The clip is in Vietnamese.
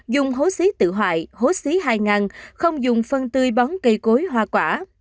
dùng hố xí tự hoại hố xí hai ngàn không dùng phân tươi bóng cây cối hoa quả